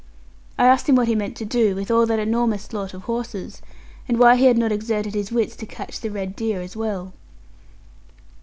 I asked him what he meant to do with all that enormous lot of horses, and why he had not exerted his wits to catch the red deer as well.